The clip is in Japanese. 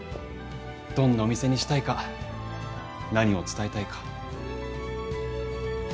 どんなお店にしたいか何を伝えたいか。